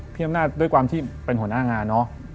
พี่อำนาจด้วยความที่เป็นหัวหน้างานเนอะ